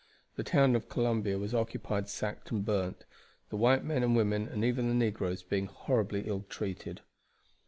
The town of Columbia was occupied, sacked, and burned, the white men and women and even the negroes being horribly ill treated.